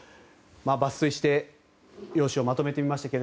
抜粋して要旨をまとめてみました。